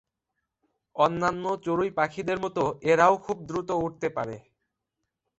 অন্যান্য চড়ুই পাখিদের মত এরাও খুব দ্রুত উড়তে পারে।